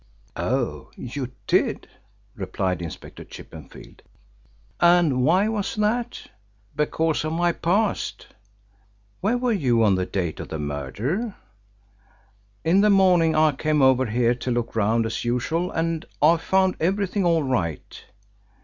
"Oh, you did?" replied Inspector Chippenfield. "And why was that?" "Because of my past." "Where were you on the date of the murder?" "In the morning I came over here to look round as usual, and I found everything all right."